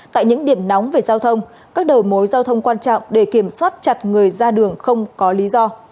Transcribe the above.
tại những điểm nóng về giao thông các đầu mối giao thông quan trọng để kiểm soát chặt người ra đường không có lý do